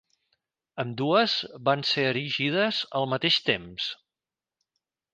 Ambdues van ser erigides al mateix temps.